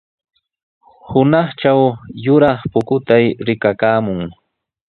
Hunaqtraw yuraq pukutay rikakaamun.